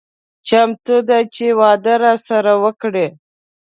چمتو ده چې واده راسره وکړي.